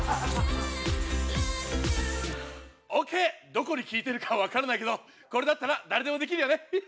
どこに効いてるかは分からないけどこれだったら誰でもできるよね！